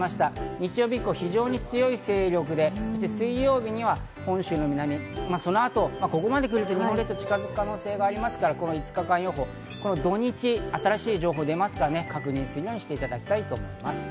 日曜日以降、非常に強い勢力で水曜日には本州の南、その後ここまでくると日本列島に近づく可能性がありますから、この土日、新しい情報が出ますから確認するようにしていただきたいと思います。